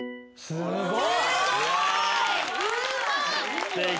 すごい。